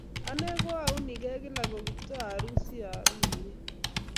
Ane ko aunike kila koKiptooa aru si aru komnye